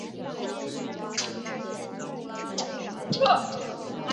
成城大学出身。